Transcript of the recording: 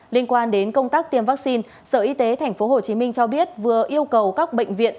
liên quan đến công tác tiêm vaccine sở y tế tp hcm cho biết vừa yêu cầu các bệnh viện